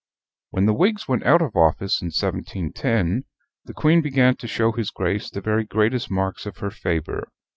When the Whigs went out of office in 1710, the Queen began to show his Grace the very greatest marks of her favor.